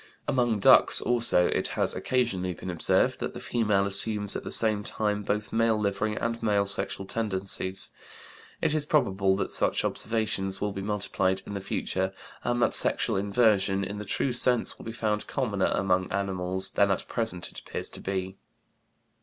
" Among ducks, also, it has occasionally been observed that the female assumes at the same time both male livery and male sexual tendencies. It is probable that such observations will be multiplied in the future, and that sexual inversion in the true sense will be found commoner among animals than at present it appears to be.